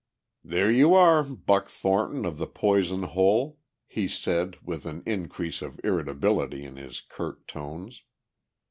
"There you are, Buck Thornton of the Poison Hole," he said with an increase of irritability in his curt tones.